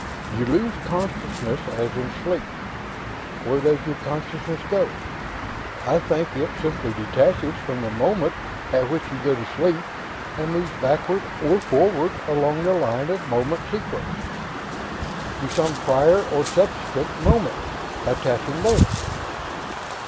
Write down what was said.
You 'lose consciousness' as in sleep; where does your consciousness go? I think it simply detaches from the moment at which you go to sleep, and moves backward or forward along the line of moment sequence, to some prior or subsequent moment, attaching there."